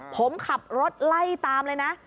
ผมขับรถไล่ตามเลยนะ